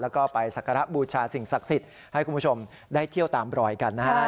แล้วก็ไปสักการะบูชาสิ่งศักดิ์สิทธิ์ให้คุณผู้ชมได้เที่ยวตามรอยกันนะฮะ